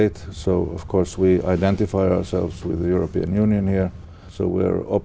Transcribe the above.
trong trường hợp